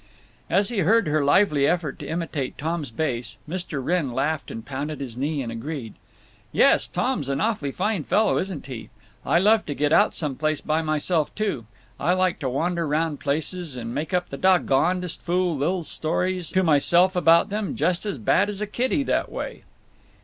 As he heard her lively effort to imitate Tom's bass Mr. Wrenn laughed and pounded his knee and agreed: "Yes, Tom's an awfully fine fellow, isn't he!… I love to get out some place by myself, too. I like to wander round places and make up the doggondest fool little stories to myself about them; just as bad as a kiddy, that way."